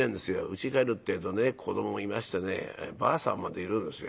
うち帰るってえとね子どももいましてねばあさんまでいるんですよ。